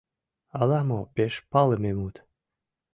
Ала-мо пеш палыме мут.